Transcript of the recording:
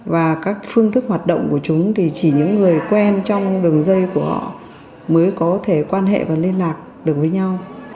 và các phương thức hoạt động của chúng thì chỉ những người quen trong đường dây của họ mới có thể quan hệ và liên lạc được với nhau